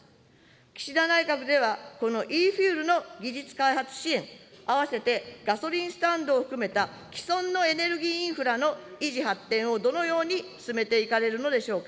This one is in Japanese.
岸田内閣では、このイーフューエルの技術開発支援、併せてガソリンスタンドを含めた既存のエネルギーインフラの維持・発展をどのように進めていかれるのでしょうか。